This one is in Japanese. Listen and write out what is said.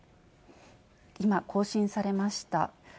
今、更新されました。